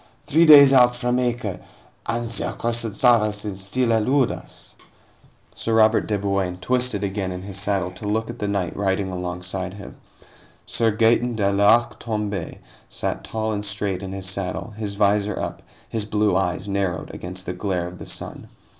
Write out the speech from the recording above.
"Three days out from Acre, and the accursed Saracens still elude us." Sir Robert de Bouain twisted again in his saddle to look at the knight riding alongside him. Sir Gaeton de l'Arc Tomb├® sat tall and straight in his saddle, his visor up, his blue eyes narrowed against the glare of the sun.